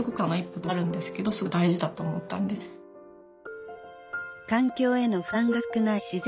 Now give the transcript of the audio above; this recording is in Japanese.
でもあるんですけどすごく大事だと思ったんですね。